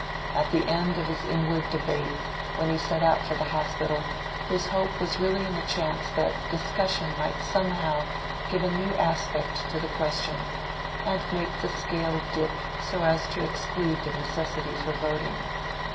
At the end of his inward debate, when he set out for the hospital, his hope was really in the chance that discussion might somehow give a new aspect to the question, and make the scale dip so as to exclude the necessity for voting.